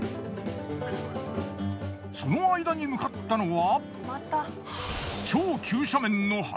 その間に向かったのは。